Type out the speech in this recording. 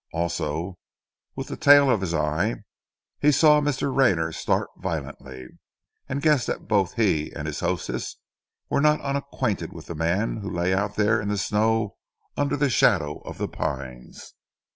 Also, with the tail of his eye, he saw Mr. Rayner start violently, and guessed that both he and his hostess were not unacquainted with the man who lay out there in the snow under the shadow of the pines.